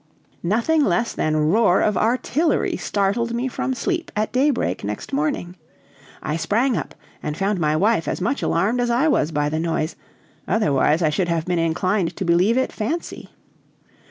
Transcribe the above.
Nothing less than roar of artillery startled me from sleep at daybreak next morning. I sprang up and found my wife as much alarmed as I was by the noise, otherwise I should have been inclined to believe it fancy.